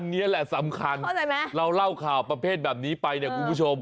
นี่แหละสำคัญเราเล่าข่าวประเภทแบบนี้ไปเนี่ยคุณผู้ชม